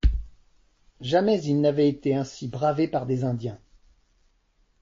Jamais ils n'avaient été ainsi bravés par des Indiens.